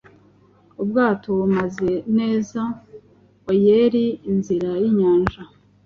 Ubwato bumeze neza oer inzira yinyanja